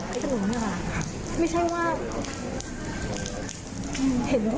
ไม่คุณค่าใช้พ่นพากร